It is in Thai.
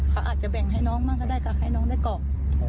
เขาอาจจะแบ่งให้น้องบ้างก็ได้ก็ให้น้องได้กรอก